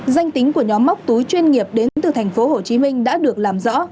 danh tính của nhóm móc túi chuyên nghiệp đến từ thành phố hồ chí minh đã được làm rõ